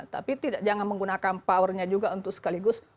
tapi jangan menggunakan powernya juga untuk sekaligus